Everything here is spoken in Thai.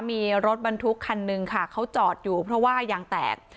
มีรถบรรทุกคันนึงค่ะเขาจอดอยู่เพราะว่ายางแตก